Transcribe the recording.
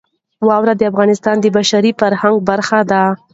واوره د افغانستان د بشري فرهنګ برخه ده.